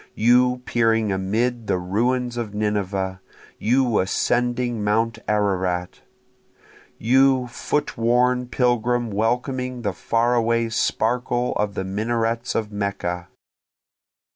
you peering amid the ruins of Nineveh! you ascending mount Ararat! You foot worn pilgrim welcoming the far away sparkle of the minarets of Mecca!